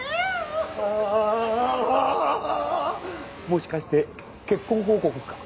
もしかして結婚報告か？